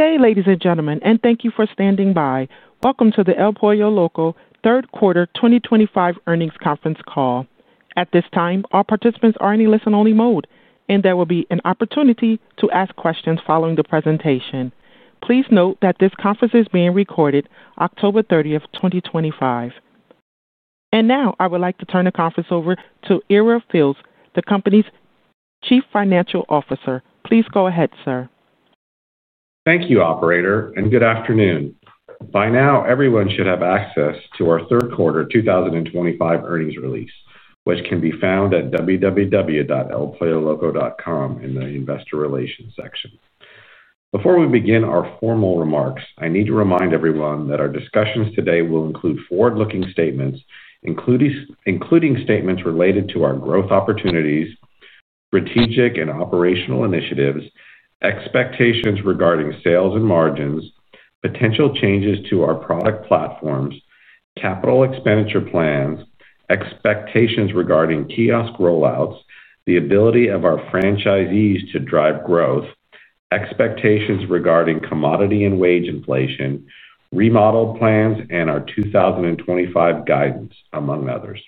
Good day, ladies and gentlemen, and thank you for standing by. Welcome to the El Pollo Loco third quarter 2025 earnings conference call. At this time, all participants are in a listen-only mode, and there will be an opportunity to ask questions following the presentation. Please note that this conference is being recorded October 30, 2025. I would like to turn the conference over to Ira Fils, the company's Chief Financial Officer. Please go ahead, sir. Thank you, operator, and good afternoon. By now, everyone should have access to our third quarter 2025 earnings release, which can be found at www.elpolloloco.com in the Investor Relations section. Before we begin our formal remarks, I need to remind everyone that our discussions today will include forward-looking statements, including statements related to our growth opportunities, strategic and operational initiatives, expectations regarding sales and margins, potential changes to our product platforms, capital expenditure plans, expectations regarding kiosk rollouts, the ability of our franchisees to drive growth, expectations regarding commodity and wage inflation, remodel plans, and our 2025 guidance, among others.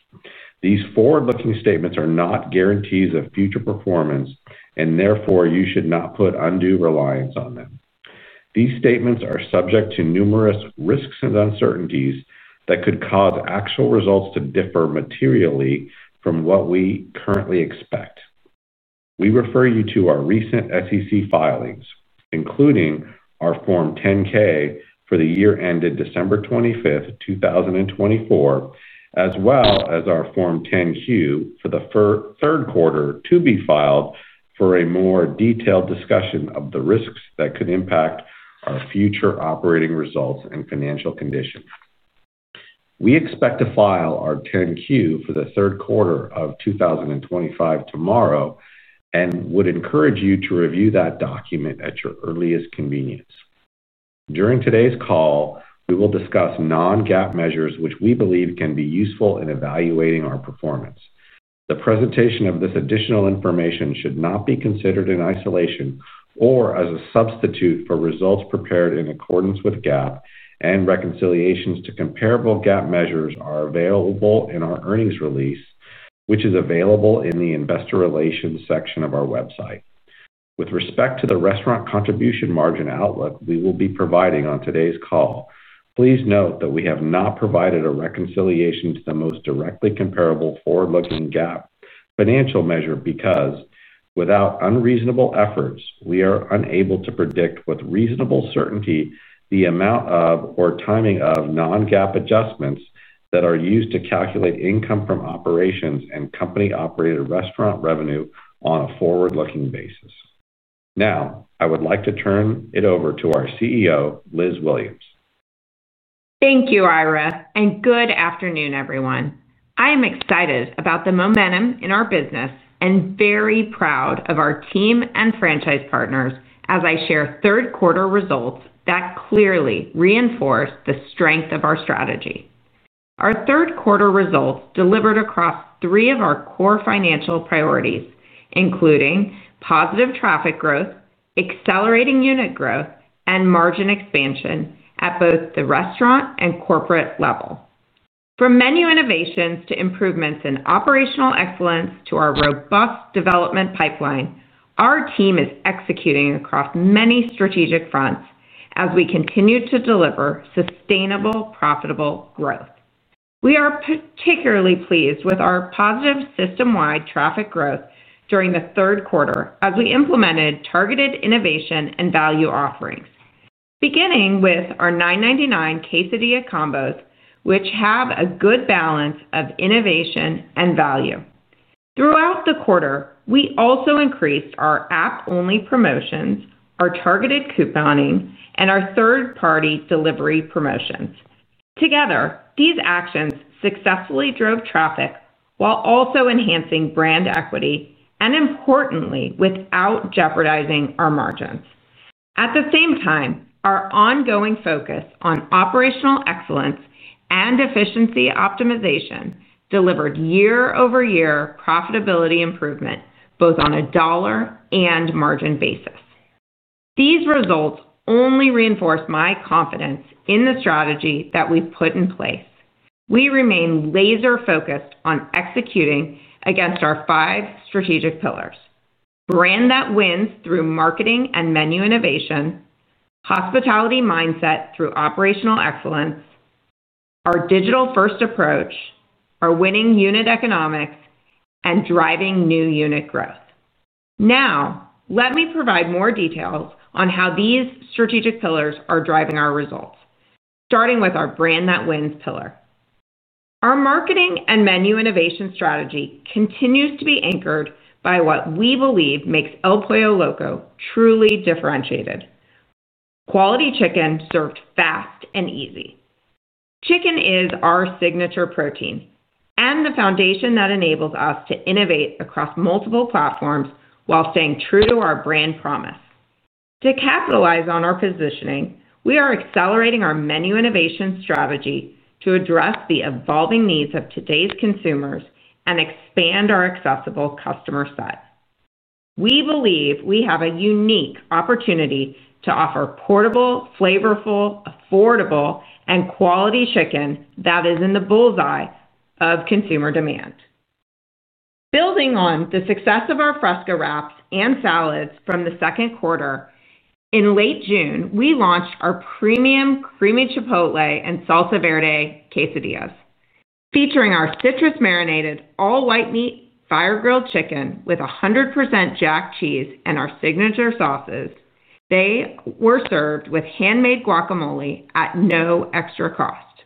These forward-looking statements are not guarantees of future performance, and therefore, you should not put undue reliance on them. These statements are subject to numerous risks and uncertainties that could cause actual results to differ materially from what we currently expect. We refer you to our recent SEC filings, including our Form 10-K for the year ended December 25, 2024, as well as our Form 10-Q for the third quarter to be filed for a more detailed discussion of the risks that could impact our future operating results and financial condition. We expect to file our 10-Q for the third quarter of 2025 tomorrow and would encourage you to review that document at your earliest convenience. During today's call, we will discuss non-GAAP measures which we believe can be useful in evaluating our performance. The presentation of this additional information should not be considered in isolation or as a substitute for results prepared in accordance with GAAP, and reconciliations to comparable GAAP measures are available in our earnings release, which is available in the Investor Relations section of our website. With respect to the restaurant contribution margin outlook we will be providing on today's call, please note that we have not provided a reconciliation to the most directly comparable forward-looking GAAP financial measure because, without unreasonable efforts, we are unable to predict with reasonable certainty the amount of or timing of non-GAAP adjustments that are used to calculate income from operations and company-operated restaurant revenue on a forward-looking basis. Now, I would like to turn it over to our CEO, Liz Williams. Thank you, Ira, and good afternoon, everyone. I am excited about the momentum in our business and very proud of our team and franchise partners as I share third quarter results that clearly reinforce the strength of our strategy. Our third quarter results delivered across three of our core financial priorities, including positive traffic growth, accelerating unit growth, and margin expansion at both the restaurant and corporate level. From menu innovations to improvements in operational excellence to our robust development pipeline, our team is executing across many strategic fronts as we continue to deliver sustainable, profitable growth. We are particularly pleased with our positive system-wide traffic growth during the third quarter as we implemented targeted innovation and value offerings, beginning with our $9.99 quesadilla combos, which have a good balance of innovation and value. Throughout the quarter, we also increased our app-only promotions, our targeted couponing, and our third-party delivery promotions. Together, these actions successfully drove traffic while also enhancing brand equity and, importantly, without jeopardizing our margins. At the same time, our ongoing focus on operational excellence and efficiency optimization delivered year-over-year profitability improvement both on a dollar and margin basis. These results only reinforce my confidence in the strategy that we've put in place. We remain laser-focused on executing against our five strategic pillars: brand that wins through marketing and menu innovation, hospitality mindset through operational excellence, our digital-first approach, our winning unit economics, and driving new unit growth. Now, let me provide more details on how these strategic pillars are driving our results, starting with our brand that wins pillar. Our marketing and menu innovation strategy continues to be anchored by what we believe makes El Pollo Loco truly differentiated: quality chicken served fast and easy. Chicken is our signature protein and the foundation that enables us to innovate across multiple platforms while staying true to our brand promise. To capitalize on our positioning, we are accelerating our menu innovation strategy to address the evolving needs of today's consumers and expand our accessible customer set. We believe we have a unique opportunity to offer portable, flavorful, affordable, and quality chicken that is in the bull's eye of consumer demand. Building on the success of our Fresca Wraps and Salads from the second quarter, in late June, we launched our Premium Creamy Chipotle and Salsa Verde Quesadillas. Featuring our citrus-marinated all-white meat fire-grilled chicken with 100% Jack cheese and our signature sauces, they were served with handmade guacamole at no extra cost.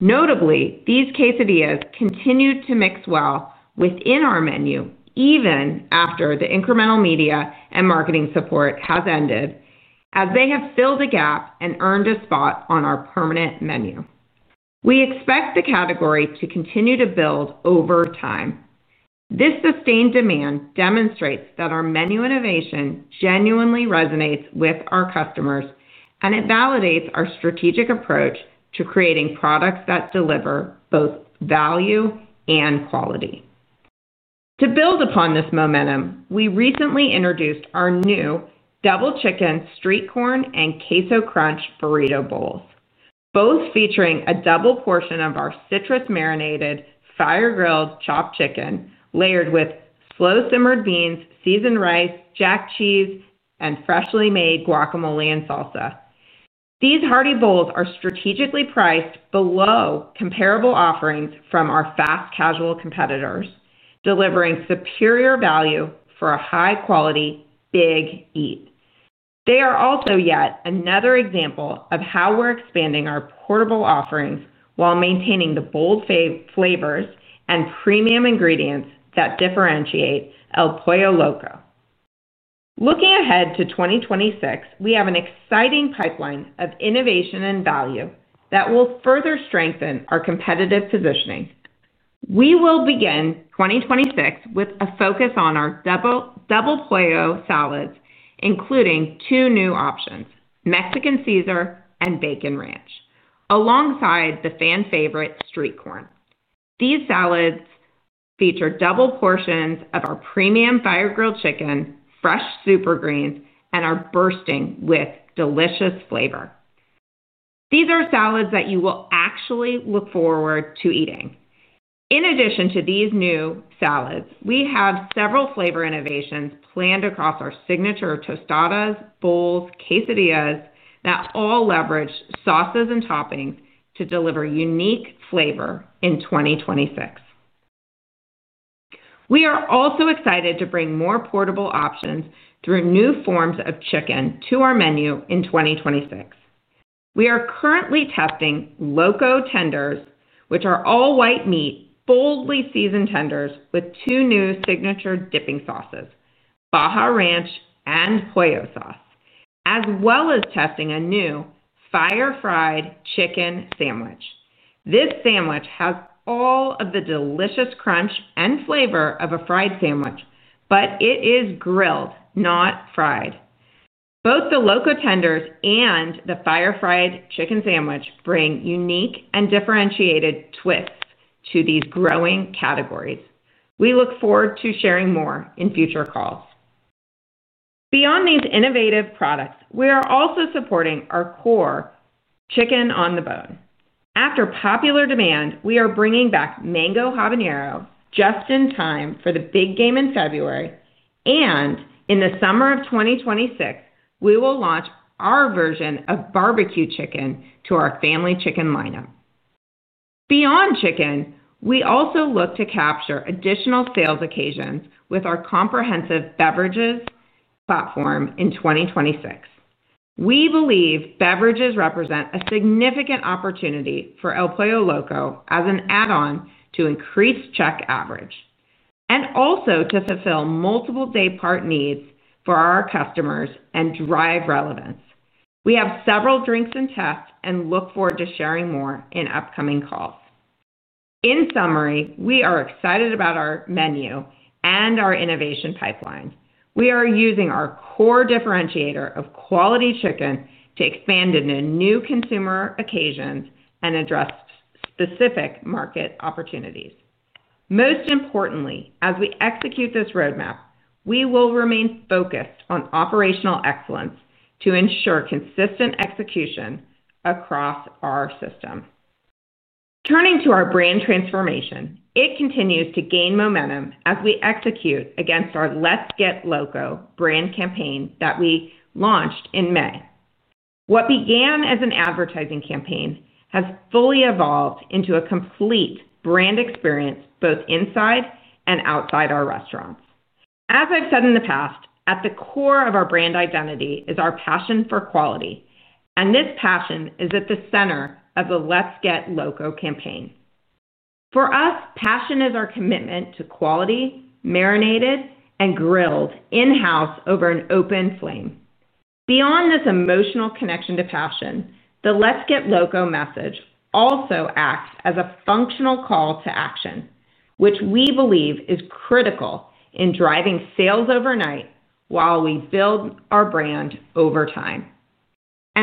Notably, these quesadillas continue to mix well within our menu even after the incremental media and marketing support has ended, as they have filled a gap and earned a spot on our permanent menu. We expect the category to continue to build over time. This sustained demand demonstrates that our menu innovation genuinely resonates with our customers, and it validates our strategic approach to creating products that deliver both value and quality. To build upon this momentum, we recently introduced our new Double Chicken Street Corn and Queso Crunch Burrito Bowls, both featuring a double portion of our citrus-marinated fire-grilled chopped chicken layered with slow-simmered beans, seasoned rice, Jack cheese, and freshly made guacamole and salsa. These hearty bowls are strategically priced below comparable offerings from our fast casual competitors, delivering superior value for a high-quality big eat. They are also yet another example of how we're expanding our portable offerings while maintaining the bold flavors and premium ingredients that differentiate El Pollo Loco. Looking ahead to 2026, we have an exciting pipeline of innovation and value that will further strengthen our competitive positioning. We will begin 2026 with a focus on our Double Double Pollo Salads, including two new options: Mexican Caesar and Bacon Ranch, alongside the fan-favorite street corn. These salads feature double portions of our premium fire-grilled chicken, fresh super greens, and are bursting with delicious flavor. These are salads that you will actually look forward to eating. In addition to these new salads, we have several flavor innovations planned across our signature Tostadas, Bowls, Quesadillas that all leverage sauces and toppings to deliver unique flavor in 2026. We are also excited to bring more portable options through new forms of chicken to our menu in 2026. We are currently testing Loco Tenders, which are all-white meat boldly seasoned tenders with two new signature dipping sauces, Baja Ranch and Pollo Sauce, as well as testing a new Fire-Fried Chicken Sandwich. This sandwich has all of the delicious crunch and flavor of a fried sandwich, but it is grilled, not fried. Both the Loco Tenders and the Fire-Fried Chicken Sandwich bring unique and differentiated twists to these growing categories. We look forward to sharing more in future calls. Beyond these innovative products, we are also supporting our core chicken on the bone. After popular demand, we are bringing back Mango Habanero, just in time for the big game in February, and in the summer of 2026, we will launch our version of barbecue chicken to our family chicken lineup. Beyond chicken, we also look to capture additional sales occasions with our comprehensive beverages platform in 2026. We believe beverages represent a significant opportunity for El Pollo Loco as an add-on to increased check average and also to fulfill multiple daypart needs for our customers and drive relevance. We have several drinks in test and look forward to sharing more in upcoming calls. In summary, we are excited about our menu and our innovation pipeline. We are using our core differentiator of quality chicken to expand into new consumer occasions and address specific market opportunities. Most importantly, as we execute this roadmap, we will remain focused on operational excellence to ensure consistent execution across our system. Turning to our brand transformation, it continues to gain momentum as we execute against our Let's Get Loco brand campaign that we launched in May. What began as an advertising campaign has fully evolved into a complete brand experience both inside and outside our restaurants. As I've said in the past, at the core of our brand identity is our passion for quality, and this passion is at the center of the Let's Get Loco campaign. For us, passion is our commitment to quality, marinated, and grilled in-house over an open flame. Beyond this emotional connection to passion, the Let's Get Loco message also acts as a functional call to action, which we believe is critical in driving sales overnight while we build our brand over time.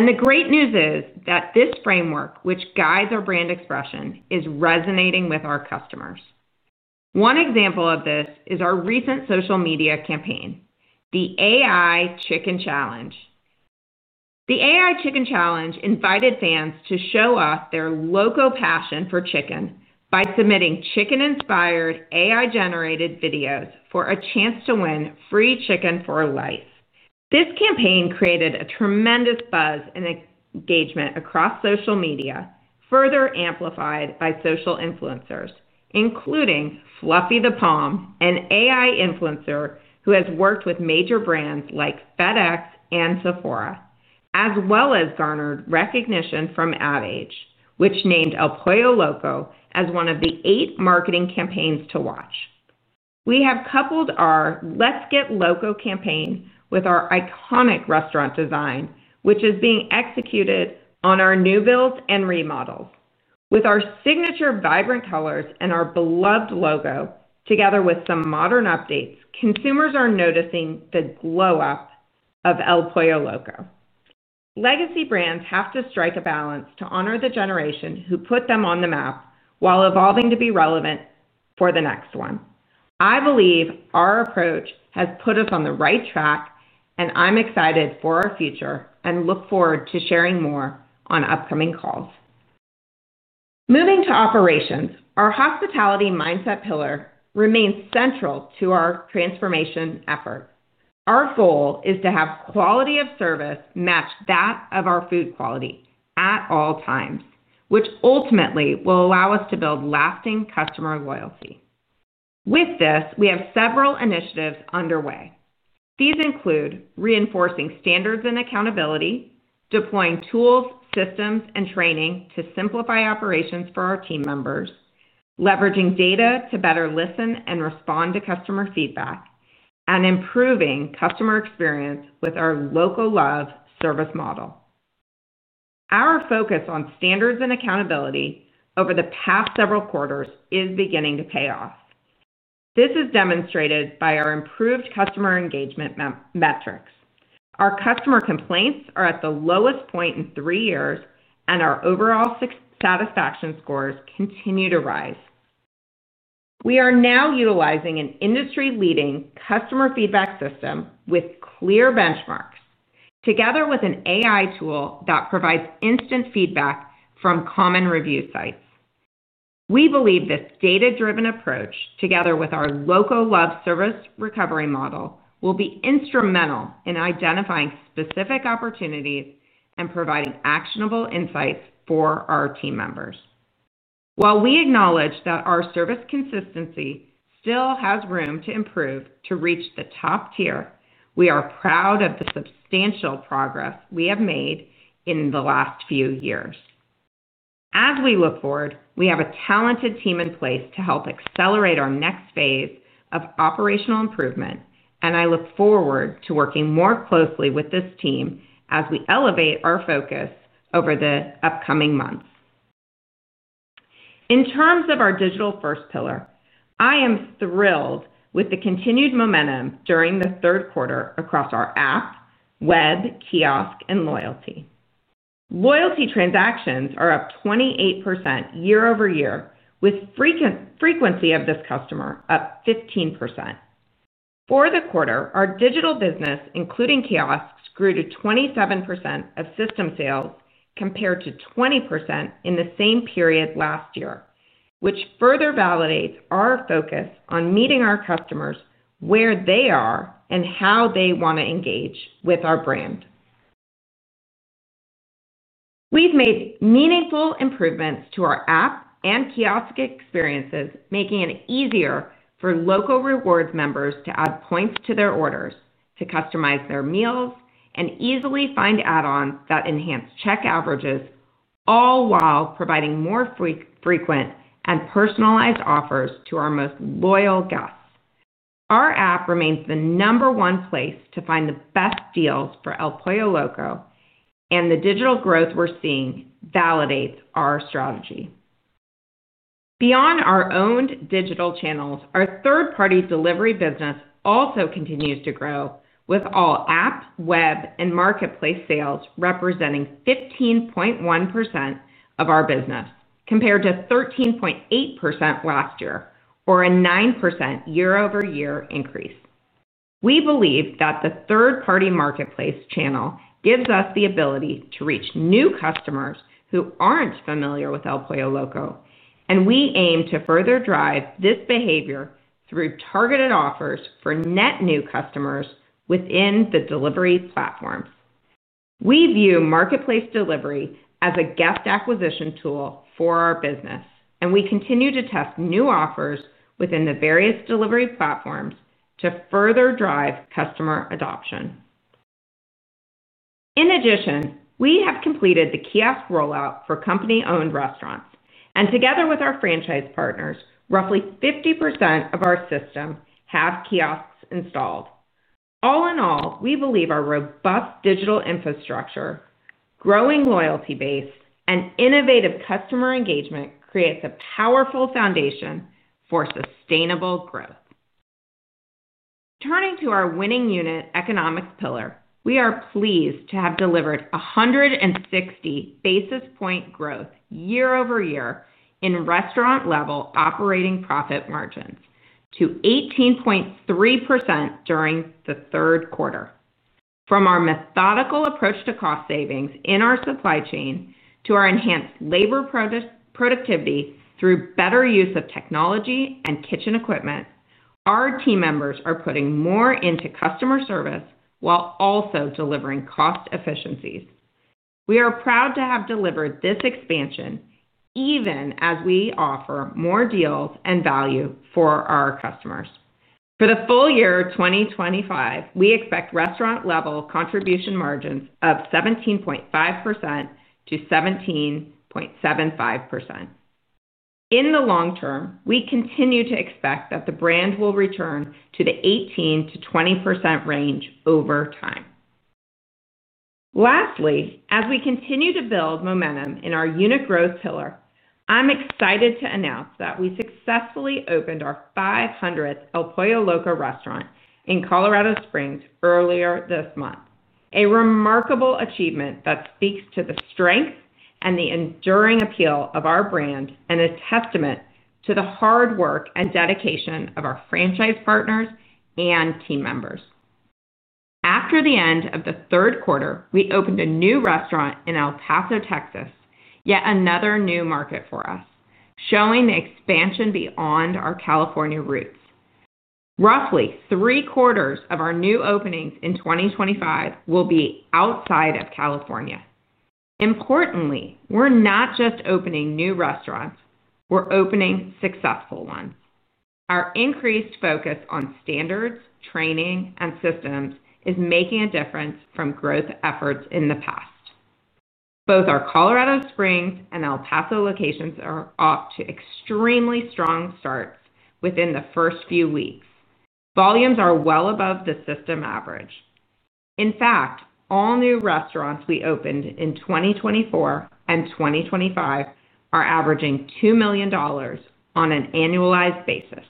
The great news is that this framework, which guides our brand expression, is resonating with our customers. One example of this is our recent social media campaign, the AI Chicken Challenge. The AI Chicken Challenge invited fans to show us their loco passion for chicken by submitting chicken-inspired AI-generated videos for a chance to win free chicken for life. This campaign created a tremendous buzz and engagement across social media, further amplified by social influencers, including Fluffy the Pom, an AI influencer who has worked with major brands like FedEx and Sephora, as well as garnered recognition from AdAge, which named El Pollo Loco as one of the eight marketing campaigns to watch. We have coupled our Let's Get Loco campaign with our iconic restaurant design, which is being executed on our new builds and remodels. With our signature vibrant colors and our beloved logo, together with some modern updates, consumers are noticing the glow-up of El Pollo Loco. Legacy brands have to strike a balance to honor the generation who put them on the map while evolving to be relevant for the next one. I believe our approach has put us on the right track, and I'm excited for our future and look forward to sharing more on upcoming calls. Moving to operations, our hospitality mindset pillar remains central to our transformation efforts. Our goal is to have quality of service match that of our food quality at all times, which ultimately will allow us to build lasting customer loyalty. With this, we have several initiatives underway. These include reinforcing standards and accountability, deploying tools, systems, and training to simplify operations for our team members, leveraging data to better listen and respond to customer feedback, and improving customer experience with our Loco-Love service model. Our focus on standards and accountability over the past several quarters is beginning to pay off. This is demonstrated by our improved customer engagement metrics. Our customer complaints are at the lowest point in three years, and our overall satisfaction scores continue to rise. We are now utilizing an industry-leading customer feedback system with clear benchmarks, together with an AI tool that provides instant feedback from common review sites. We believe this data-driven approach, together with our Loco-Love service recovery model, will be instrumental in identifying specific opportunities and providing actionable insights for our team members. While we acknowledge that our service consistency still has room to improve to reach the top tier, we are proud of the substantial progress we have made in the last few years. As we look forward, we have a talented team in place to help accelerate our next phase of operational improvement, and I look forward to working more closely with this team as we elevate our focus over the upcoming months. In terms of our digital-first pillar, I am thrilled with the continued momentum during the third quarter across our app, web, kiosk, and loyalty. Loyalty transactions are up 28% year-over-year, with frequency of this customer up 15%. For the quarter, our digital business, including kiosks, grew to 27% of system sales compared to 20% in the same period last year, which further validates our focus on meeting our customers where they are and how they want to engage with our brand. We've made meaningful improvements to our app and kiosk experiences, making it easier for Loco Rewards members to add points to their orders, to customize their meals, and easily find add-ons that enhance check averages, all while providing more frequent and personalized offers to our most loyal guests. Our app remains the number one place to find the best deals for El Pollo Loco, and the digital growth we're seeing validates our strategy. Beyond our owned digital channels, our third-party delivery business also continues to grow, with all app, web, and marketplace sales representing 15.1% of our business, compared to 13.8% last year, or a 9% year-over-year increase. We believe that the third-party marketplace channel gives us the ability to reach new customers who aren't familiar with El Pollo Loco, and we aim to further drive this behavior through targeted offers for net new customers within the delivery platforms. We view marketplace delivery as a guest acquisition tool for our business, and we continue to test new offers within the various delivery platforms to further drive customer adoption. In addition, we have completed the kiosk rollout for company-owned restaurants, and together with our franchise partners, roughly 50% of our system have kiosks installed. All in all, we believe our robust digital infrastructure, growing loyalty base, and innovative customer engagement create a powerful foundation for sustainable growth. Turning to our winning unit economics pillar, we are pleased to have delivered 160 basis point growth year-over-year in restaurant-level operating profit margins to 18.3% during the third quarter. From our methodical approach to cost savings in our supply chain to our enhanced labor productivity through better use of technology and kitchen equipment, our team members are putting more into customer service while also delivering cost efficiencies. We are proud to have delivered this expansion even as we offer more deals and value for our customers. For the full year 2025, we expect restaurant-level contribution margins of 17.5%-17.75%. In the long term, we continue to expect that the brand will return to the 18%-20% range over time. Lastly, as we continue to build momentum in our unit growth pillar, I'm excited to announce that we successfully opened our 500th El Pollo Loco restaurant in Colorado Springs earlier this month, a remarkable achievement that speaks to the strength and the enduring appeal of our brand and a testament to the hard work and dedication of our franchise partners and team members. After the end of the third quarter, we opened a new restaurant in El Paso, Texas, yet another new market for us, showing the expansion beyond our California roots. Roughly three-quarters of our new openings in 2025 will be outside of California. Importantly, we're not just opening new restaurants, we're opening successful ones. Our increased focus on standards, training, and systems is making a difference from growth efforts in the past. Both our Colorado Springs and El Paso locations are off to extremely strong starts within the first few weeks. Volumes are well above the system average. In fact, all new restaurants we opened in 2024 and 2025 are averaging $2 million on an annualized basis.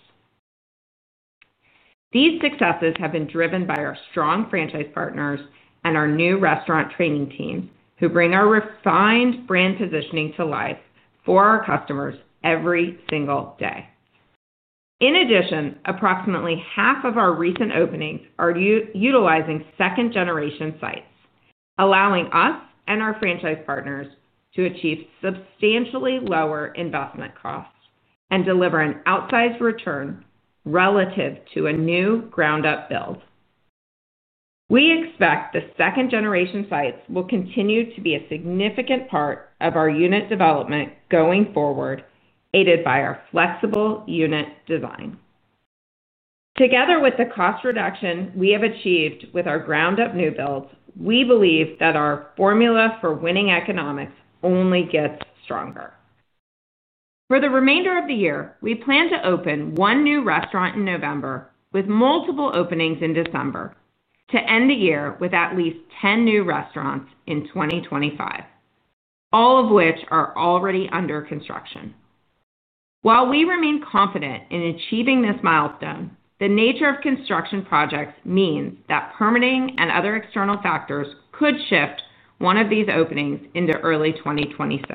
These successes have been driven by our strong franchise partners and our new restaurant training teams, who bring our refined brand positioning to life for our customers every single day. In addition, approximately half of our recent openings are utilizing second-generation sites, allowing us and our franchise partners to achieve substantially lower investment costs and deliver an outsized return relative to a new ground-up build. We expect the second-generation sites will continue to be a significant part of our unit development going forward, aided by our flexible unit design. Together with the cost reduction we have achieved with our ground-up new builds, we believe that our formula for winning economics only gets stronger. For the remainder of the year, we plan to open one new restaurant in November, with multiple openings in December, to end the year with at least 10 new restaurants in 2025, all of which are already under construction. While we remain confident in achieving this milestone, the nature of construction projects means that permitting and other external factors could shift one of these openings into early 2026.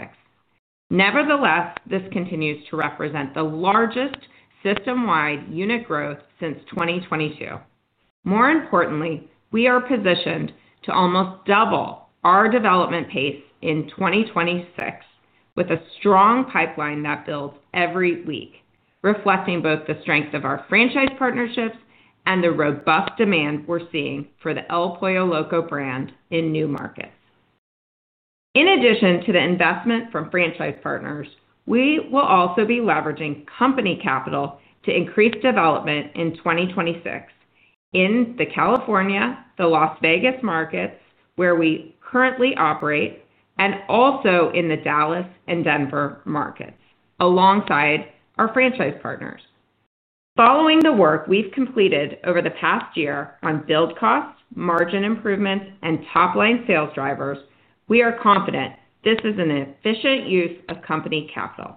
Nevertheless, this continues to represent the largest system-wide unit growth since 2022. More importantly, we are positioned to almost double our development pace in 2026 with a strong pipeline that builds every week, reflecting both the strength of our franchise partnerships and the robust demand we're seeing for the El Pollo Loco brand in new markets. In addition to the investment from franchise partners, we will also be leveraging company capital to increase development in 2026 in the California and Las Vegas markets where we currently operate, and also in the Dallas and Denver markets alongside our franchise partners. Following the work we've completed over the past year on build costs, margin improvements, and top-line sales drivers, we are confident this is an efficient use of company capital.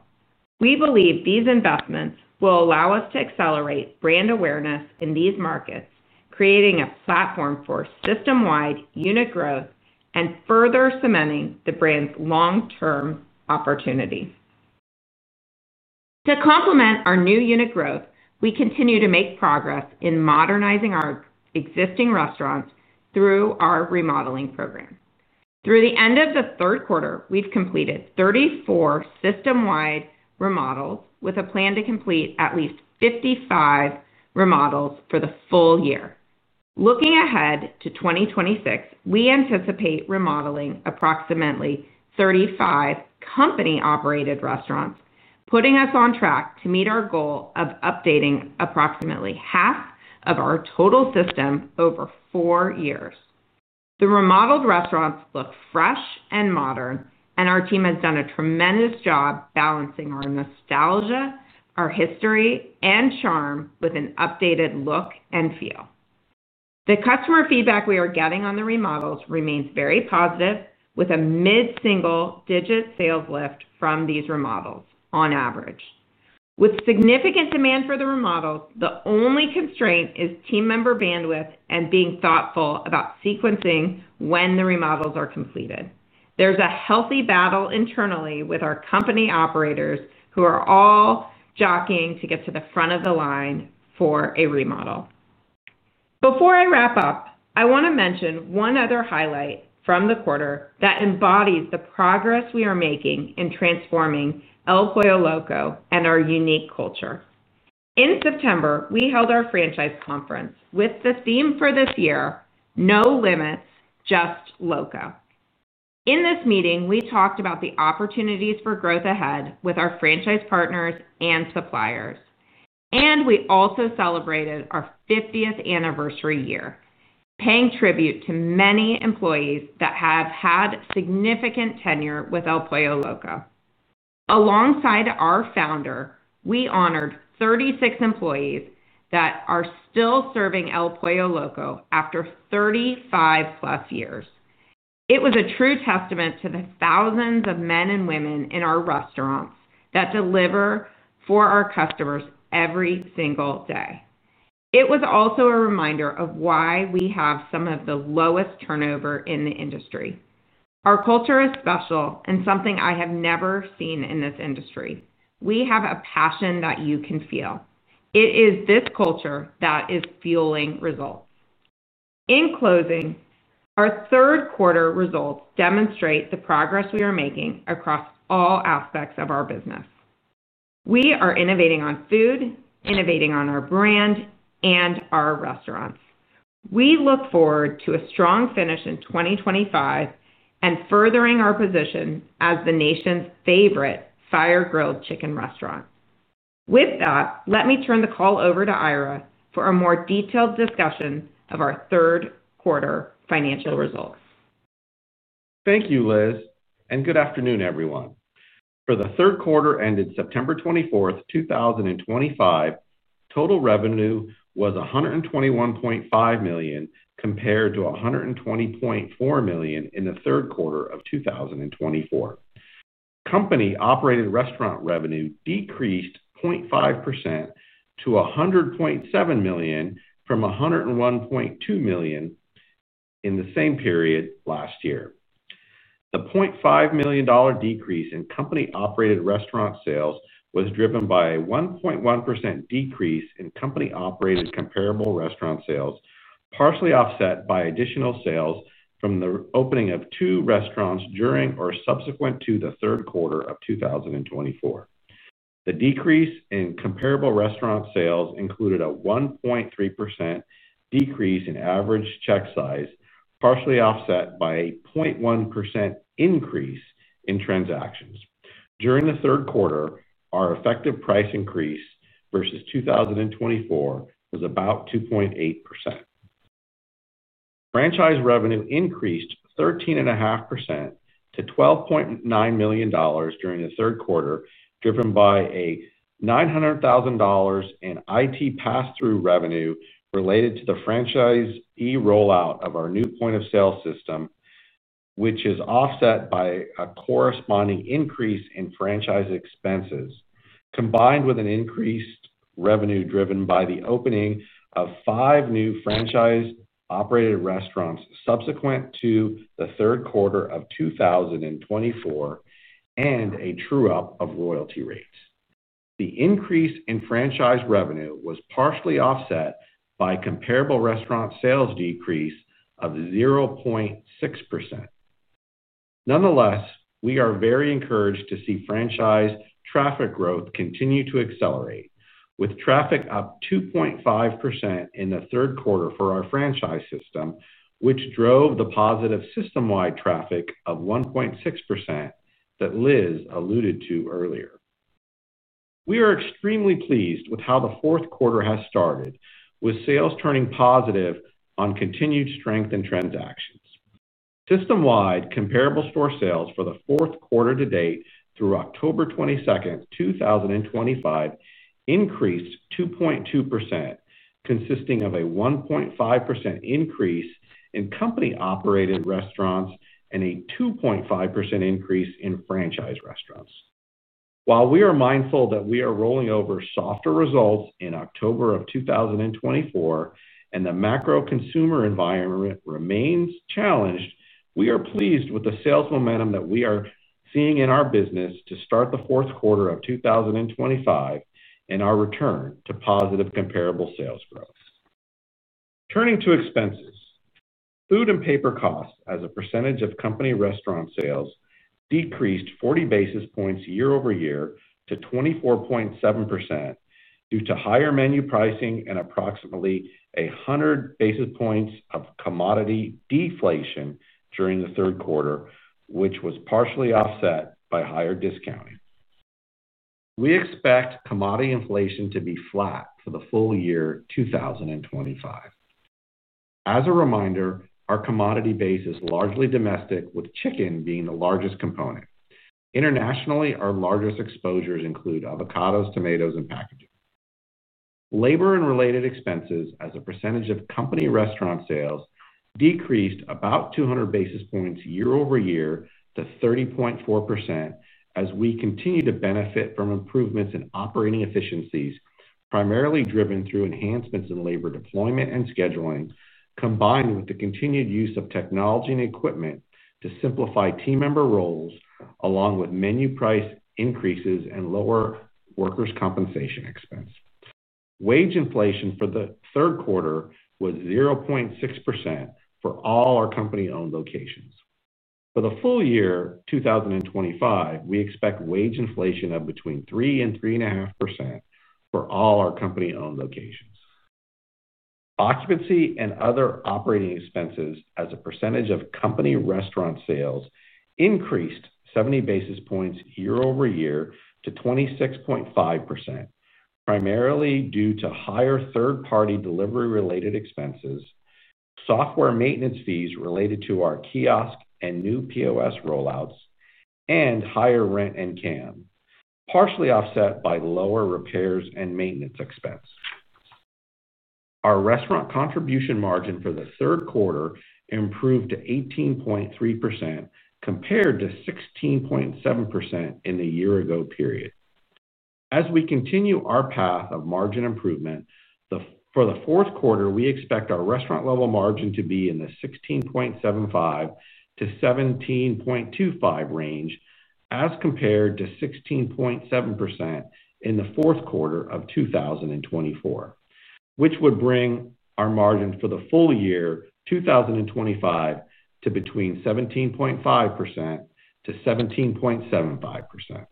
We believe these investments will allow us to accelerate brand awareness in these markets, creating a platform for system-wide unit growth and further cementing the brand's long-term opportunity. To complement our new unit growth, we continue to make progress in modernizing our existing restaurants through our remodeling program. Through the end of the third quarter, we've completed 34 system-wide remodels, with a plan to complete at least 55 remodels for the full year. Looking ahead to 2026, we anticipate remodeling approximately 35 company-operated restaurants, putting us on track to meet our goal of updating approximately half of our total system over four years. The remodeled restaurants look fresh and modern, and our team has done a tremendous job balancing our nostalgia, our history, and charm with an updated look and feel. The customer feedback we are getting on the remodels remains very positive, with a mid-single-digit sales lift from these remodels on average. With significant demand for the remodels, the only constraint is team member bandwidth and being thoughtful about sequencing when the remodels are completed. There's a healthy battle internally with our company operators, who are all jockeying to get to the front of the line for a remodel. Before I wrap up, I want to mention one other highlight from the quarter that embodies the progress we are making in transforming El Pollo Loco and our unique culture. In September, we held our franchise conference with the theme for this year, "No Limits, Just Loco." In this meeting, we talked about the opportunities for growth ahead with our franchise partners and suppliers, and we also celebrated our 50th anniversary year, paying tribute to many employees that have had significant tenure with El Pollo Loco. Alongside our founder, we honored 36 employees that are still serving El Pollo Loco after 35-plus years. It was a true testament to the thousands of men and women in our restaurants that deliver for our customers every single day. It was also a reminder of why we have some of the lowest turnover in the industry. Our culture is special and something I have never seen in this industry. We have a passion that you can feel. It is this culture that is fueling results. In closing, our third-quarter results demonstrate the progress we are making across all aspects of our business. We are innovating on food, innovating on our brand, and our restaurants. We look forward to a strong finish in 2025 and furthering our position as the nation's favorite Fire-Grilled Chicken Restaurant. With that, let me turn the call over to Ira for a more detailed discussion of our third-quarter financial results. Thank you, Liz. And good afternoon, everyone. For the third quarter ended September 24, 2025, total revenue was $121.5 million compared to $120.4 million in the third quarter of 2024. Company-operated restaurant revenue decreased 0.5% to $100.7 million from $101.2 million in the same period last year. The $0.5 million decrease in company-operated restaurant sales was driven by a 1.1% decrease in company-operated comparable restaurant sales, partially offset by additional sales from the opening of two restaurants during or subsequent to the third quarter of 2024. The decrease in comparable restaurant sales included a 1.3% decrease in average check size, partially offset by a 0.1% increase in transactions. During the third quarter, our effective price increase versus 2024 was about 2.8%. Franchise revenue increased 13.5% to $12.9 million during the third quarter, driven by $900,000 in IT pass-through revenue related to the franchisee rollout of our new point-of-sale system, which is offset by a corresponding increase in franchise expenses, combined with increased revenue driven by the opening of five new franchise-operated restaurants subsequent to the third quarter of 2024 and a true-up of royalty rates. The increase in franchise revenue was partially offset by a comparable restaurant sales decrease of 0.6%. Nonetheless, we are very encouraged to see franchise traffic growth continue to accelerate, with traffic up 2.5% in the third quarter for our franchise system, which drove the positive system-wide traffic of 1.6% that Liz alluded to earlier. We are extremely pleased with how the fourth quarter has started, with sales turning positive on continued strength in transactions. System-wide, comparable store sales for the fourth quarter to date through October 22, 2025, increased 2.2%, consisting of a 1.5% increase in company-operated restaurants and a 2.5% increase in franchise restaurants. While we are mindful that we are rolling over softer results in October of 2024 and the macro consumer environment remains challenged, we are pleased with the sales momentum that we are seeing in our business to start the fourth quarter of 2025 and our return to positive comparable sales growth. Turning to expenses, food and paper costs as a percentage of company restaurant sales decreased 40 basis points year-over-year to 24.7% due to higher menu pricing and approximately 100 basis points of commodity deflation during the third quarter, which was partially offset by higher discounting. We expect commodity inflation to be flat for the full year 2025. As a reminder, our commodity base is largely domestic, with chicken being the largest component. Internationally, our largest exposures include avocados, tomatoes, and packaging. Labor and related expenses as a percentage of company restaurant sales decreased about 200 basis points year- over-year to 30.4% as we continue to benefit from improvements in operating efficiencies, primarily driven through enhancements in labor deployment and scheduling, combined with the continued use of technology and equipment to simplify team member roles, along with menu price increases and lower workers' compensation expense. Wage inflation for the third quarter was 0.6% for all our company-owned locations. For the full year 2025, we expect wage inflation of between 3% and 3.5% for all our company-owned locations. Occupancy and other operating expenses as a percentage of company restaurant sales increased 70 basis points year-over-year to 26.5%, primarily due to higher third-party delivery-related expenses, software maintenance fees related to our kiosks and new POS rollouts, and higher rent and CAM, partially offset by lower repairs and maintenance expense. Our restaurant contribution margin for the third quarter improved to 18.3% compared to 16.7% in the year-ago period as we continue our path of margin improvement. For the fourth quarter, we expect our restaurant-level margin to be in the 16.75%-17.25% range as compared to 16.7% in the fourth quarter of 2024, which would bring our margin for the full year 2025 to between 17.5%-17.75%.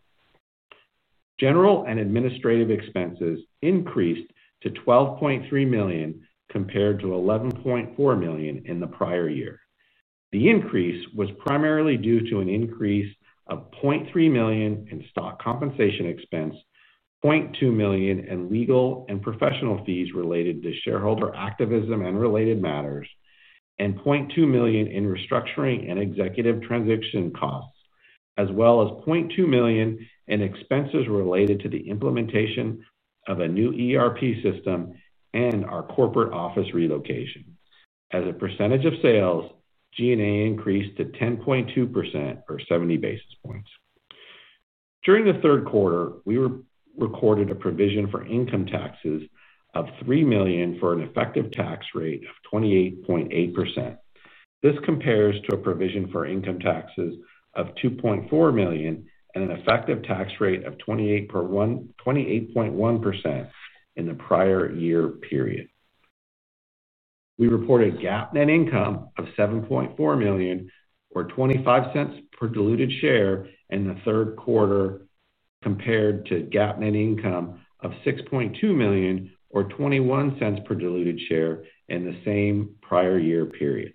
General and administrative expenses increased to $12.3 million compared to $11.4 million in the prior year. The increase was primarily due to an increase of $0.3 million in stock compensation expense, $0.2 million in legal and professional fees related to shareholder activism and related matters, and $0.2 million in restructuring and executive transition costs, as well as $0.2 million in expenses related to the implementation of a new ERP system and our corporate office relocation. As a percentage of sales, G&A increased to 10.2% or 70 basis points. During the third quarter, we recorded a provision for income taxes of $3 million for an effective tax rate of 28.8%. This compares to a provision for income taxes of $2.4 million and an effective tax rate of 28.1% in the prior year period. We reported GAAP net income of $7.4 million, or $0.25 per diluted share, in the third quarter compared to GAAP net income of $6.2 million, or $0.21 per diluted share in the same prior year period.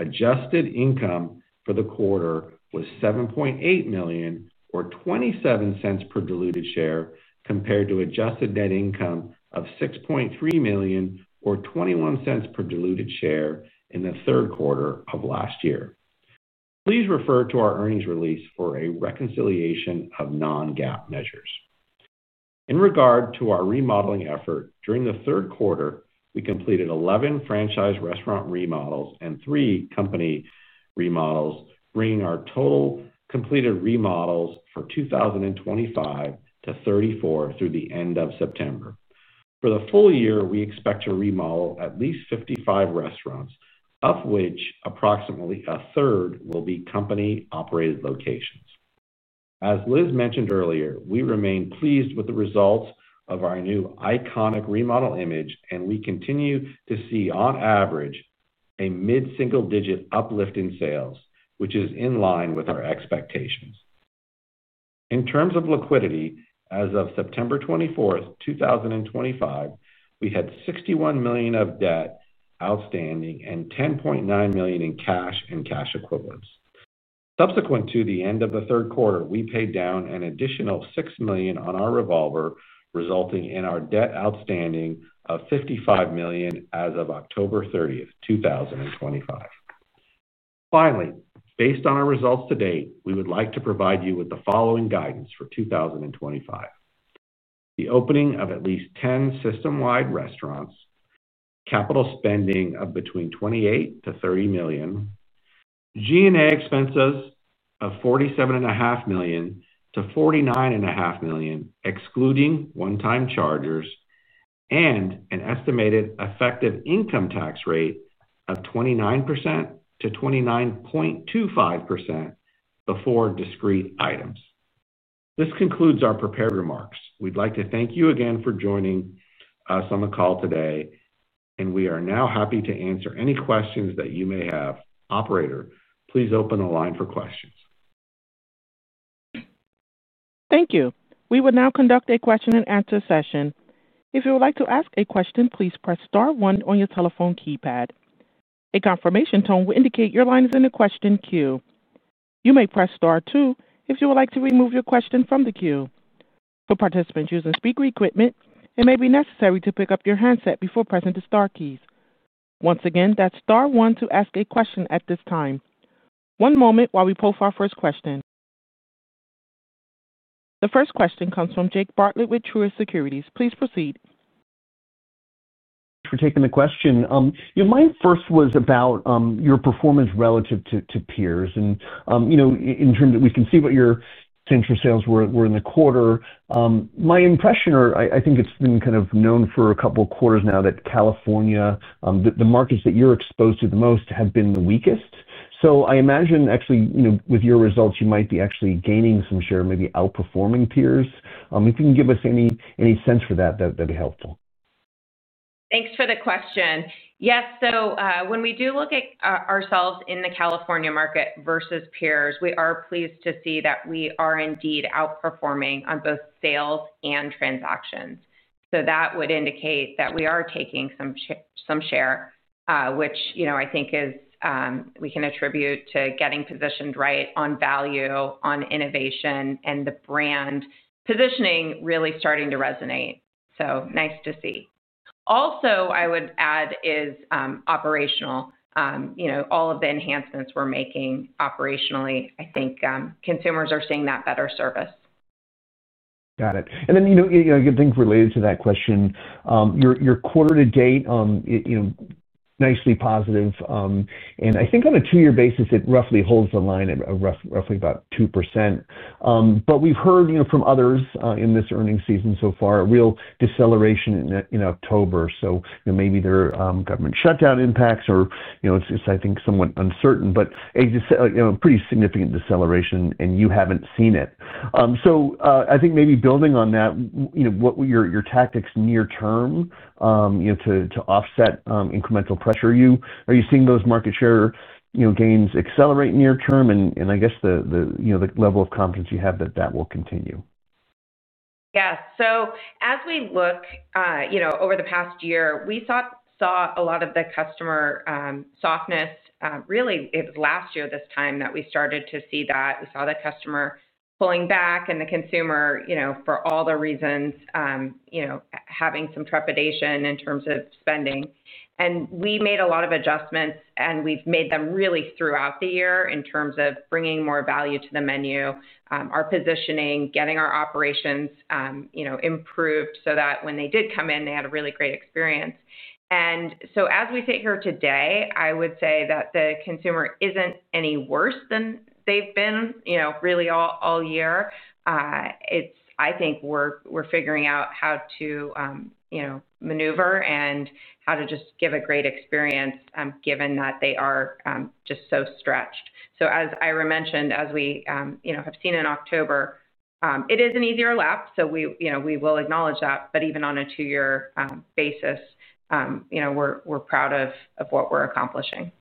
Adjusted net income for the quarter was $7.8 million, or $0.27 per diluted share, compared to adjusted net income of $6.3 million, or $0.21 per diluted share in the third quarter of last year. Please refer to our earnings release for a reconciliation of non-GAAP measures. In regard to our remodeling effort, during the third quarter, we completed 11 franchise restaurant remodels and three company remodels, bringing our total completed remodels for 2025 to 34 through the end of September. For the full year, we expect to remodel at least 55 restaurants, of which approximately a third will be company-operated locations. As Liz mentioned earlier, we remain pleased with the results of our new iconic remodel image, and we continue to see, on average, a mid-single-digit uplift in sales, which is in line with our expectations. In terms of liquidity, as of September 24, 2025, we had $61 million of debt outstanding and $10.9 million in cash and cash equivalents. Subsequent to the end of the third quarter, we paid down an additional $6 million on our revolver, resulting in our debt outstanding of $55 million as of October 30, 2025. Finally, based on our results to date, we would like to provide you with the following guidance for 2025. The opening of at least 10 system-wide restaurants, capital spending of between $28 million-$30 million, G&A expenses of $47.5 million-$49.5 million, excluding one-time charges, and an estimated effective income tax rate of 29%-29.25% before discrete items. This concludes our prepared remarks. We'd like to thank you again for joining us on the call today, and we are now happy to answer any questions that you may have. Operator, please open the line for questions. Thank you. We will now conduct a question-and-answer session. If you would like to ask a question, please press Star 1 on your telephone keypad. A confirmation tone will indicate your line is in the question queue. You may press Star 2 if you would like to remove your question from the queue. For participants using speaker equipment, it may be necessary to pick up your handset before pressing the Star keys. Once again, that's Star 1 to ask a question at this time. One moment while we post our first question. The first question comes from Jake Bartlett with Truist Securities Inc. Please proceed. Thank you for taking the question. My first was about your performance relative to peers. In terms of, we can see what your central sales were in the quarter. My impression, or I think it's been kind of known for a couple of quarters now, that California, the markets that you're exposed to the most, have been the weakest. I imagine, actually, with your results, you might be actually gaining some share, maybe outperforming peers. If you can give us any sense for that, that'd be helpful. Thanks for the question. Yes. When we do look at ourselves in the California market versus peers, we are pleased to see that we are indeed outperforming on both sales and transactions. That would indicate that we are taking some share, which I think we can attribute to getting positioned right on value, on innovation, and the brand positioning really starting to resonate. Nice to see. Also, I would add is operational. All of the enhancements we're making operationally, I think consumers are seeing that better service. Got it. A good thing related to that question, your quarter to date nicely positive. I think on a two-year basis, it roughly holds the line at roughly about 2%. We've heard from others in this earnings season so far a real deceleration in October. Maybe there are government shutdown impacts, or it's, I think, somewhat uncertain. A pretty significant deceleration, and you haven't seen it. I think maybe building on that, what were your tactics near-term to offset incremental pressure? Are you seeing those market share gains accelerate near-term? I guess the level of confidence you have that that will continue. Yeah. As we look over the past year, we saw a lot of the customer softness. Really, it was last year this time that we started to see that. We saw the customer pulling back and the consumer, for all the reasons, having some trepidation in terms of spending. We made a lot of adjustments, and we've made them really throughout the year in terms of bringing more value to the menu, our positioning, getting our operations improved so that when they did come in, they had a really great experience. As we sit here today, I would say that the consumer isn't any worse than they've been really all year. I think we're figuring out how to manoeuvre and how to just give a great experience, given that they are just so stretched. As Ira mentioned, as we have seen in October, it is an easier lap. We will acknowledge that. Even on a two-year basis, we're proud of what we're accomplishing.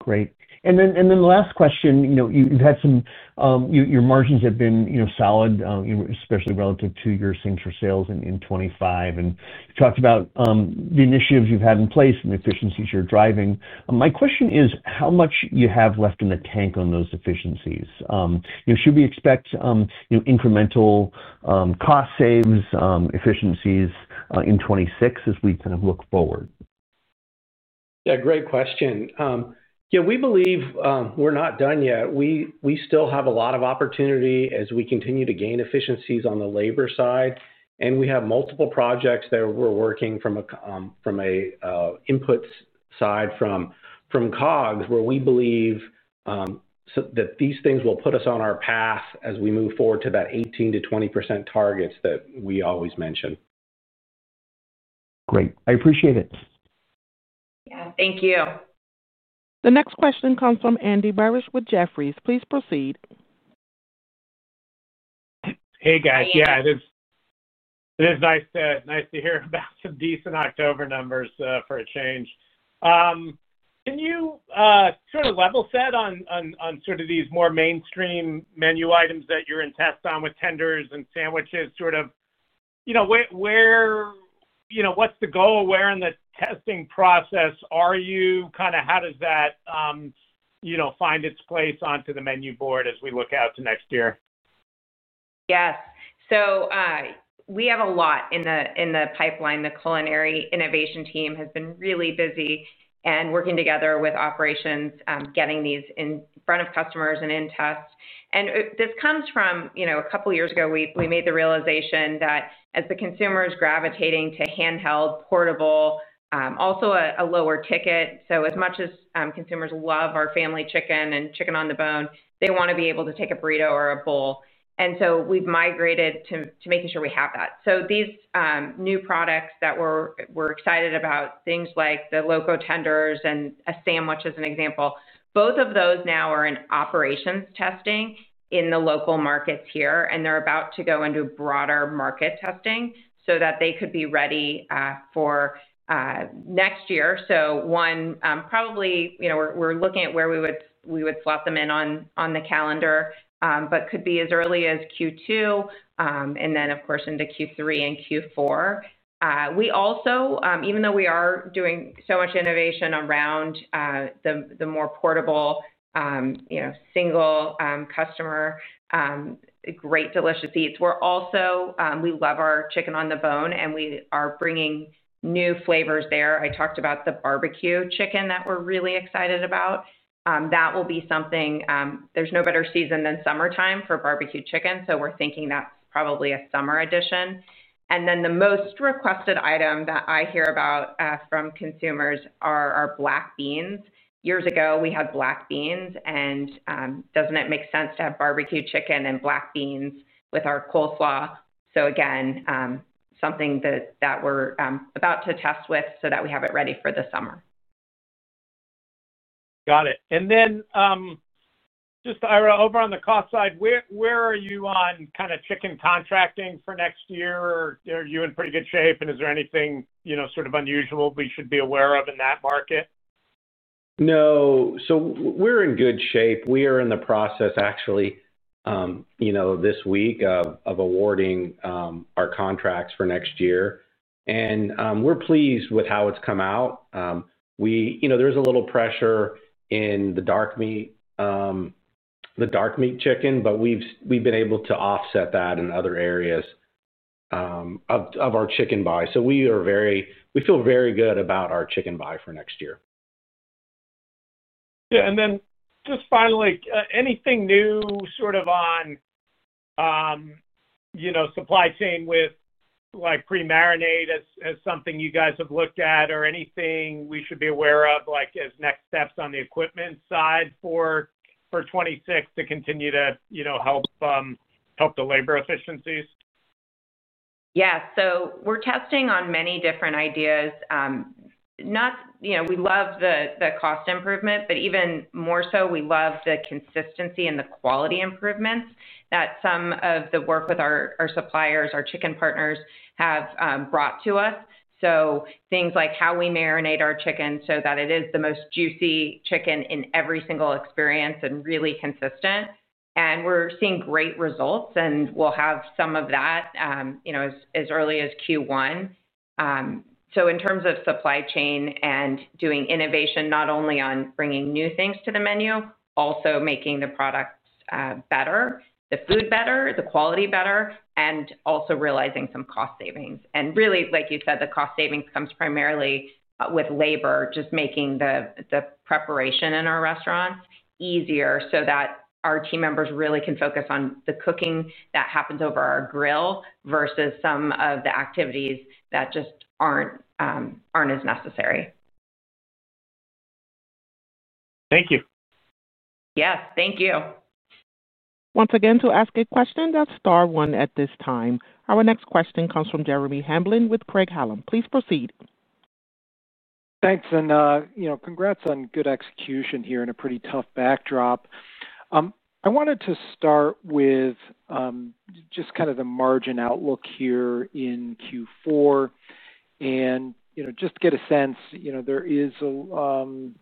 Great. The last question, you've had some, your margins have been solid, especially relative to your comparable sales in 2025. You talked about the initiatives you've had in place and the efficiencies you're driving. My question is, how much you have left in the tank on those efficiencies? Should we expect incremental cost savings, efficiencies in 2026 as we kind of look forward? Yeah, great question. We believe we're not done yet. We still have a lot of opportunity as we continue to gain efficiencies on the labor side. We have multiple projects that we're working from an input side from COGS, where we believe that these things will put us on our path as we move forward to that 18%-20% targets that we always mention. Great, I appreciate it. Yeah, thank you. The next question comes from Andy Barish with Jefferies. Please proceed. Hey, guys. Yeah, it is nice to hear about some decent October numbers for a change. Can you sort of level set on these more mainstream menu items that you're in test on with tenders and sandwiches? What's the goal? Where in the testing process are you? How does that find its place onto the menu board as we look out to next year? Yes. We have a lot in the pipeline. The culinary innovation team has been really busy and working together with operations, getting these in front of customers and in test. This comes from a couple of years ago, we made the realization that as the consumer is gravitating to handheld, portable, also a lower ticket. As much as consumers love our family chicken and chicken on the bone, they want to be able to take a burrito or a bowl. We have migrated to making sure we have that. These new products that we're excited about, things like the Loco Tenders and a sandwich as an example, both of those now are in operations testing in the local markets here. They're about to go into broader market testing so that they could be ready for next year. Probably we're looking at where we would slot them in on the calendar, but could be as early as Q2 and then, of course, into Q3 and Q4. Even though we are doing so much innovation around the more portable, single customer, great delicious eats, we also love our chicken on the bone, and we are bringing new flavors there. I talked about the barbecue chicken that we're really excited about. That will be something there's no better season than summertime for barbecue chicken. We're thinking that's probably a summer addition. The most requested item that I hear about from consumers are our black beans. Years ago, we had black beans. Doesn't it make sense to have barbecue chicken and black beans with our coleslaw? Again, something that we're about to test with so that we have it ready for the summer. Got it. Ira, over on the cost side, where are you on kind of chicken contracting for next year? Are you in pretty good shape? Is there anything sort of unusual we should be aware of in that market? No, we're in good shape. We are in the process, actually this week, of awarding our contracts for next year, and we're pleased with how it's come out. There's a little pressure in the dark meat chicken, but we've been able to offset that in other areas of our chicken buy. We feel very good about our chicken buy for next year. Yeah. Finally, anything new on supply chain with pre-marinate as something you guys have looked at or anything we should be aware of as next steps on the equipment side for 2026 to continue to help the labor efficiencies? Yeah. We're testing on many different ideas. We love the cost improvement, but even more so, we love the consistency and the quality improvements that some of the work with our suppliers, our chicken partners, have brought to us. Things like how we marinate our chicken so that it is the most juicy chicken in every single experience and really consistent. We're seeing great results, and we'll have some of that as early as Q1. In terms of supply chain and doing innovation, not only on bringing new things to the menu, also making the products better, the food better, the quality better, and also realizing some cost savings. Like you said, the cost savings comes primarily with labor, just making the preparation in our restaurants easier so that our team members really can focus on the cooking that happens over our grill versus some of the activities that just aren't as necessary. Thank you. Yes, thank you. Once again, to ask a question, that's Star 1 at this time. Our next question comes from Jeremy Hamblin with Craig-Hallum. Please proceed. Thanks. Congrats on good execution here in a pretty tough backdrop. I wanted to start with just kind of the margin outlook here in Q4. Just to get a sense, there is a little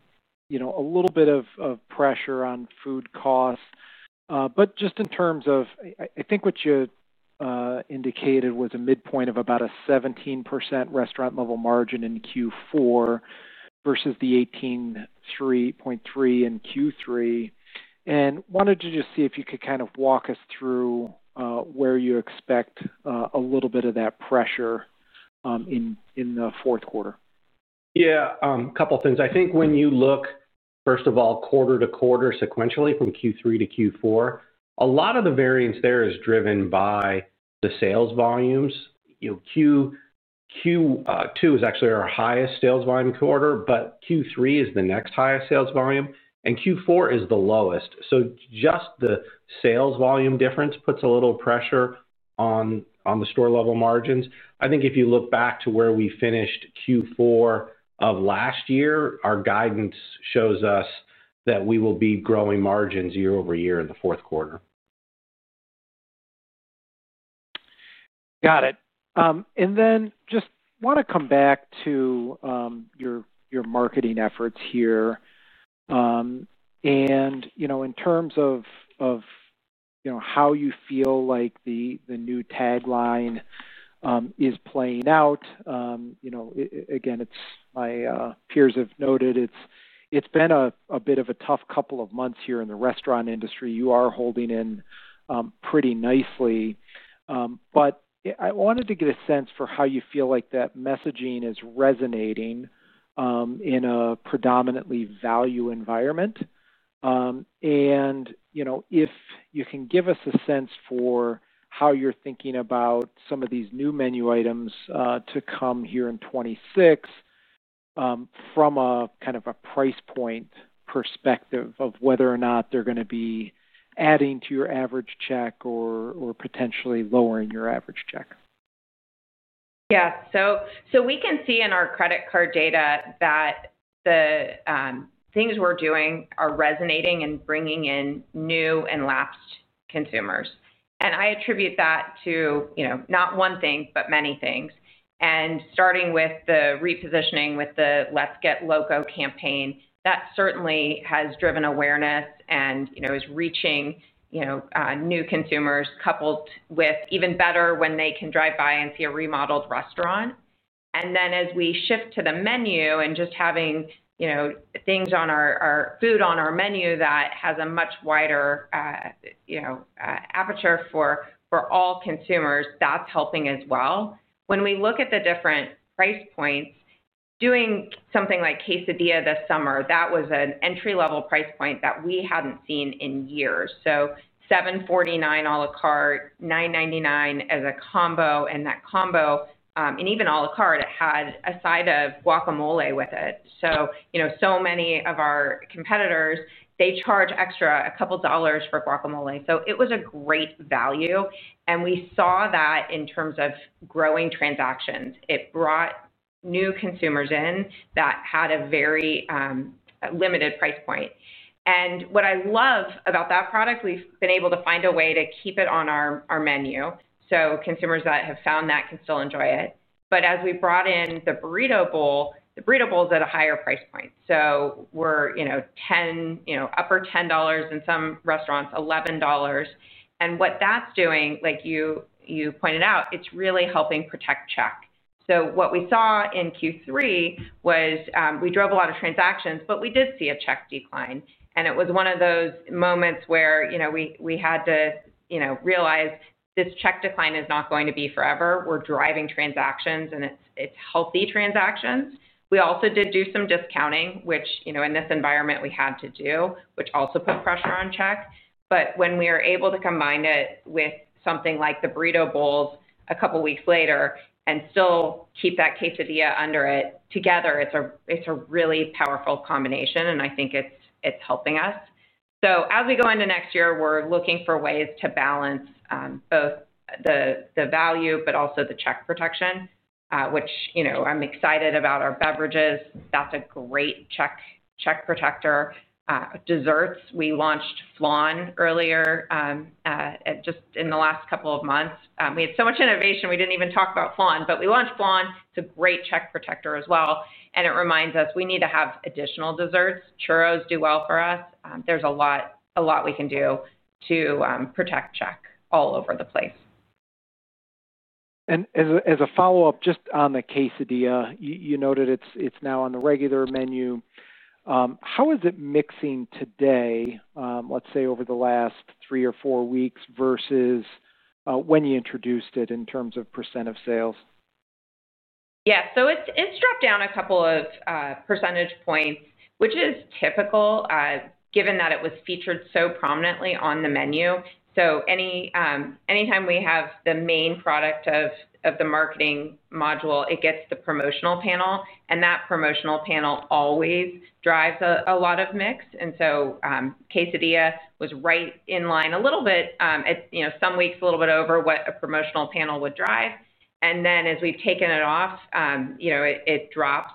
bit of pressure on food costs. In terms of what you indicated was a midpoint of about a 17% restaurant-level margin in Q4 versus the 18.3% in Q3. I wanted to just see if you could kind of walk us through where you expect a little bit of that pressure in the fourth quarter. Yeah. A couple of things. I think when you look, first of all, quarter to quarter sequentially from Q3 to Q4, a lot of the variance there is driven by the sales volumes. Q2 is actually our highest sales volume quarter, Q3 is the next highest sales volume, and Q4 is the lowest. Just the sales volume difference puts a little pressure on the store-level margins. I think if you look back to where we finished Q4 of last year, our guidance shows us that we will be growing margins year-over-year in the fourth quarter. Got it. I just want to come back to your marketing efforts here. In terms of how you feel like the new tagline is playing out, my peers have noted it's been a bit of a tough couple of months here in the restaurant industry. You are holding in pretty nicely. I wanted to get a sense for how you feel like that messaging is resonating in a predominantly value environment. If you can give us a sense for how you're thinking about some of these new menu items to come here in 2026 from a kind of a price point perspective, whether or not they're going to be adding to your average check or potentially lowering your average check. Yeah. We can see in our credit card data that the things we're doing are resonating and bringing in new and lapsed consumers. I attribute that to not one thing, but many things. Starting with the repositioning with the Let's Get Loco campaign, that certainly has driven awareness and is reaching new consumers. Even better when they can drive by and see a remodeled restaurant. As we shift to the menu and just having things on our food on our menu that has a much wider aperture for all consumers, that's helping as well. When we look at the different price points, doing something like quesadilla this summer, that was an entry-level price point that we hadn't seen in years. $7.49 à la carte, $9.99 as a combo. That combo, and even à la carte, it had a side of guacamole with it. Many of our competitors charge extra a couple of dollars for guacamole. It was a great value. We saw that in terms of growing transactions. It brought new consumers in that had a very limited price point. What I love about that product, we've been able to find a way to keep it on our menu. Consumers that have found that can still enjoy it. As we brought in the burrito bowl, the burrito bowl is at a higher price point. We're upper $10 and some restaurants, $11. What that's doing, like you pointed out, it's really helping protect check. What we saw in Q3 was we drove a lot of transactions, but we did see a check decline. It was one of those moments where we had to realize this check decline is not going to be forever. We're driving transactions, and it's healthy transactions. We also did do some discounting, which in this environment we had to do, which also put pressure on check. When we are able to combine it with something like the burrito bowls a couple of weeks later and still keep that quesadilla under it together, it's a really powerful combination. I think it's helping us. As we go into next year, we're looking for ways to balance both the value but also the check protection, which I'm excited about our beverages. That's a great check protector. Desserts, we launched flan earlier. Just in the last couple of months. We had so much innovation, we didn't even talk about flan, but we launched flan. It's a great check protector as well. It reminds us we need to have additional desserts. Churros do well for us. There's a lot we can do to protect check all over the place. As a follow-up, just on the quesadilla, you noted it's now on the regular menu. How is it mixing today, let's say, over the last three or four weeks versus when you introduced it in terms of percent of sales? Yeah. It's dropped down a couple of percentage points, which is typical, given that it was featured so prominently on the menu. Anytime we have the main product of the marketing module, it gets the promotional panel, and that promotional panel always drives a lot of mix. Quesadilla was right in line, a little bit, some weeks a little bit over what a promotional panel would drive. As we've taken it off, it drops.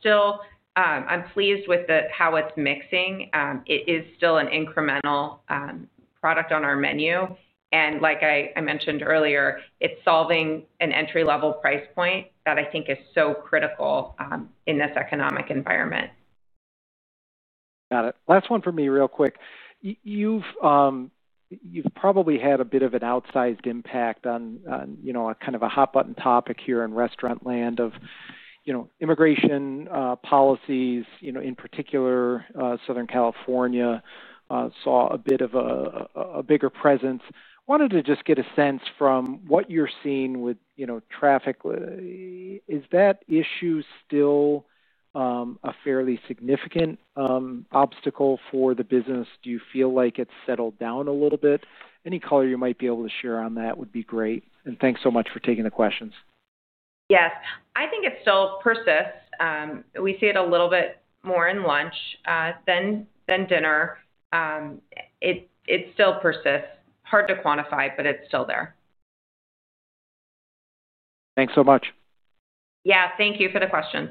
Still, I'm pleased with how it's mixing. It is still an incremental product on our menu, and like I mentioned earlier, it's solving an entry-level price point that I think is so critical in this economic environment. Got it. Last one for me real quick. You've probably had a bit of an outsized impact on kind of a hot-button topic here in restaurant land of immigration policies. In particular, Southern California saw a bit of a bigger presence. Wanted to just get a sense from what you're seeing with traffic. Is that issue still a fairly significant obstacle for the business? Do you feel like it's settled down a little bit? Any color you might be able to share on that would be great. Thanks so much for taking the questions. Yes, I think it still persists. We see it a little bit more in lunch than dinner. It still persists. Hard to quantify, but it's still there. Thanks so much. Thank you for the questions.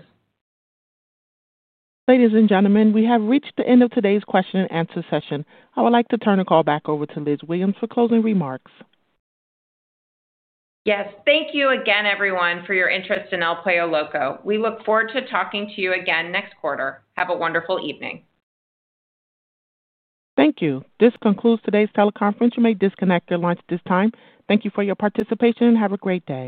Ladies and gentlemen, we have reached the end of today's question-and-answer session. I would like to turn the call back over to Liz Williams for closing remarks. Yes. Thank you again, everyone, for your interest in El Pollo Loco. We look forward to talking to you again next quarter. Have a wonderful evening. Thank you. This concludes today's teleconference. You may disconnect your lines at this time. Thank you for your participation. Have a great day.